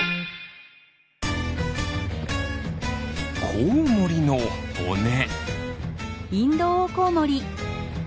コウモリのほね。